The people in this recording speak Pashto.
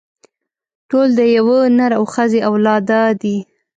ټول د يوه نر او ښځې اولاده دي.